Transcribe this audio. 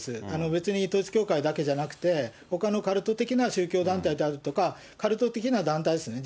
別に統一教会だけじゃなくて、ほかのカルト的な宗教団体であるとか、カルト的な団体ですね。